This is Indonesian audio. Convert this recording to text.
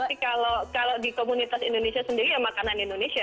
tapi kalau di komunitas indonesia sendiri ya makanan indonesia